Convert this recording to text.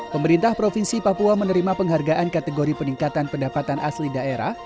pemerintah provinsi papua menerima penghargaan kategori peningkatan pendapatan asli daerah